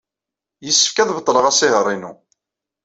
Yessefk ad beṭleɣ asihaṛ-inu.